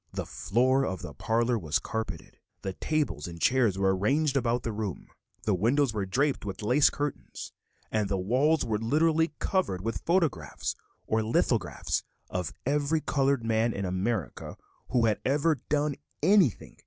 The floor of the parlor was carpeted; small tables and chairs were arranged about the room; the windows were draped with lace curtains, and the walls were literally covered with photographs or lithographs of every colored man in America who had ever "done anything."